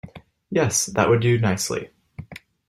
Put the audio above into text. Yes, that would do nicely.